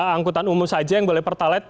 angkutan umum saja yang boleh pertalet